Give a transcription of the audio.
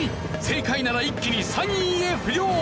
正解なら一気に３位へ浮上！